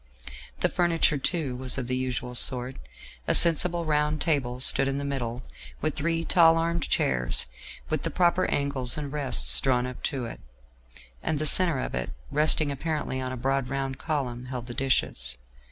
The furniture, too, was of the usual sort; a sensible round table stood in the middle, with three tall arm chairs, with the proper angles and rests, drawn up to it; and the centre of it, resting apparently on a broad round column, held the dishes.